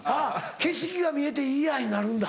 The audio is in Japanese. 「景色が見えていいや」になるんだ。